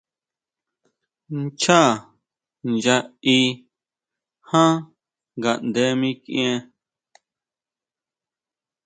Nchaá nya í jan ngaʼnde mikʼien.